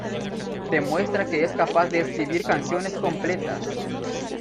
Demuestra que es capaz de escribir canciones completas.